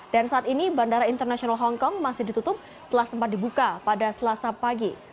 dan saat ini bandara internasional hongkong masih ditutup setelah sempat dibuka pada selasa pagi